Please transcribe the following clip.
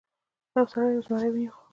یو سړي یو زمری ونیو.